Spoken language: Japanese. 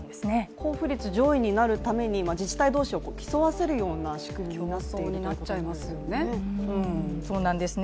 交付率上位になるために、自治体同士を競わせる仕組みになっているわけですね。